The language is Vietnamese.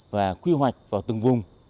và quy hoạch vào từng vùng